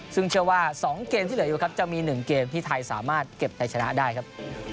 ซึ่งเชื่อว่า๒เกมที่เหลืออยู่ครับจะมี๑เกมที่ไทยสามารถเก็บในชนะได้ครับ